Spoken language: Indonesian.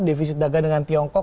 defisit dagang dengan tiongkok